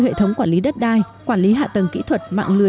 hệ thống quản lý đất đai quản lý hạ tầng kỹ thuật